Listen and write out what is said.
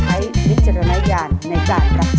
โดยใช้วิจารณะงานในการรับชม